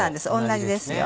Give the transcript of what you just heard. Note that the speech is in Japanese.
同じですよ。